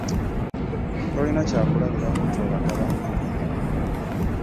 Tolina kyakulabirako ky'olaga banno.